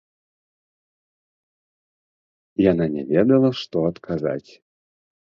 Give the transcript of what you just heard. Яна не ведала, што адказаць.